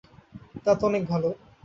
তা তো অনেক ভালো।